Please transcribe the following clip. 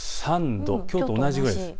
きょうと同じぐらいです。